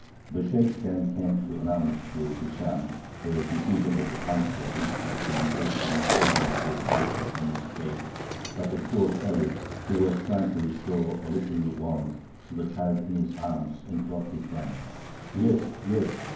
The sheykhs then came to announce to Hishām the decision of the council which had been hastily summoned to debate upon his fate; but the poor Khalif, who was trying to restore a little warmth to the child in his arms, interrupted them: "Yes! yes!